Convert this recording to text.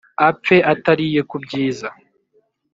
Apfe atariye ku byiza